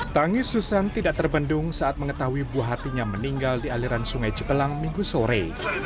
tangis susan tidak terbendung saat mengetahui buah hatinya meninggal di aliran sungai cipelang minggu sore